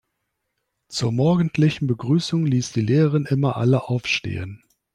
Zur morgendlichen Begrüßung ließ die Lehrerin immer alle aufstehen.